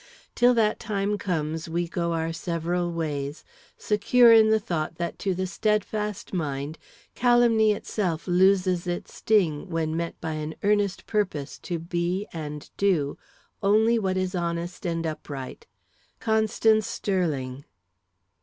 Till that time comes we go our several ways, secure in the thought that to the steadfast mind calumny itself loses its sting when met by an earnest purpose to be and do only what is honest and upright. CONSTANCE STERLING.